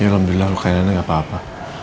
ya alhamdulillah lukanya enak gak apa apa